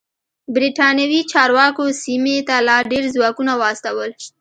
برېتانوي چارواکو سیمې ته لا ډېر ځواکونه واستول.